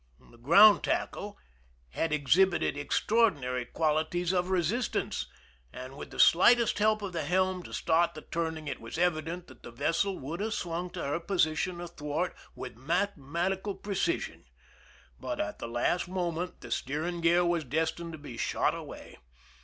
The ground tackle had exhibited extraordinary qualities of resistance, and with the slightest help of the helm to start the turning, it was evident that the vessel would have swung to her position athwart with mathematical precision. But at the last moment the steering gear was destined to be shot away.